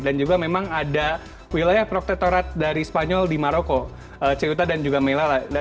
dan juga memang ada wilayah protetorat dari spanyol di maroko ceuta dan juga melala